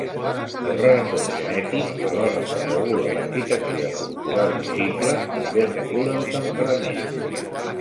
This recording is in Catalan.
El rerefons genètic, alhora que regula l'arquitectura corporal visible, també regula el temperament.